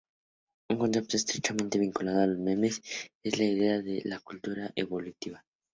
Un concepto estrechamente vinculado a los memes es la idea de la cultura evolutiva.